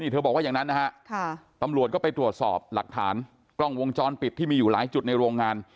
เธอบอกว่าอย่างนั้นนะฮะตำรวจก็ไปตรวจสอบหลักฐานกล้องวงจรปิดที่มีอยู่หลายจุดในโรงงาน